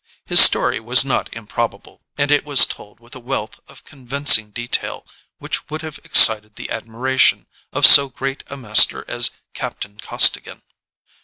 His story was not improb able and it was told with a wealth of convincing detail which would have excited the admiration of so great a master as Captain Costigan.